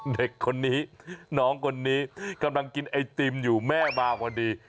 เด็กคนนี้น้องคนนี้กำลังกินไอติมอยู่แม่มาพอดี